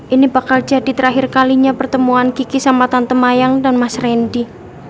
ini bakal jadi terakhir kalinya pertemuan kiki sama tante mayang dan mas randy